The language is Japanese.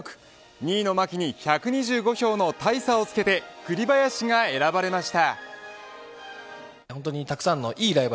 ２位の牧に１２５票の大差をつけて栗林が選ばれました。